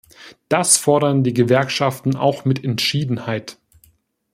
Das fordern die Gewerkschaften auch mit Entschiedenheit.